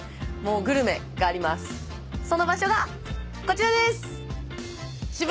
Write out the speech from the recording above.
その場所がこちらです。